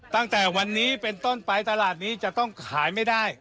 ตั้งแต่วันนี้เป็นต้นไปตลาดนี้จะต้องขายไม่ได้